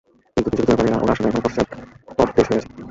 কিন্তু কিছু কিছু ব্যাপারে ওরা আসলে এখনো পশ্চাত্পদ দেশ হয়েই আছে।